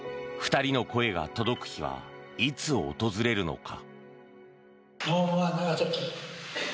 ２人の声が届く日はいつ訪れるのか。